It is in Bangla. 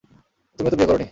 তুমিও তো বিয়ে করো নি?